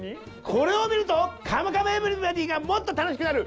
これを見ると「カムカムエヴリバディ」がもっと楽しくなる！